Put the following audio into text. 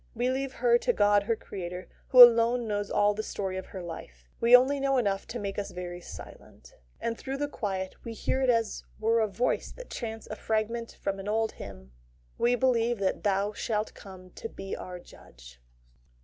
We leave her to God her Creator, who alone knows all the story of her life: we only know enough to make us very silent. And through the quiet we hear as it were a voice that chants a fragment from an old hymn: "We believe that THOU shalt come to be our Judge."